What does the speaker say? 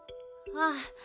ああ。